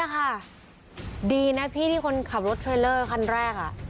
อ่ะค่ะดีนะพี่ที่คนขับรถเทรลเลอร์ขั้นแรกอ่ะ